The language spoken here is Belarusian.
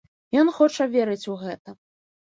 Ён хоча верыць у гэта.